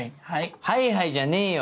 「はいはい」じゃねえよ